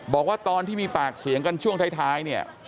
บอกว่าตอนที่มีปากเสียงกันช่วงท้ายเนี่ย